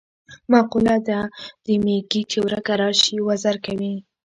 مقوله ده: د میږي چې ورکه راشي وزر کوي.